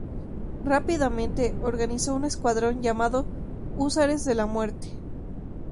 Rápidamente, organizó un escuadrón llamado Húsares de la Muerte.